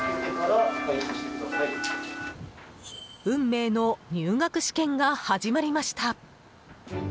運命の入学試験が始まりました。